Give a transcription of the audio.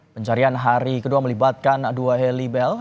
pencarian hari kedua melibatkan dua helibel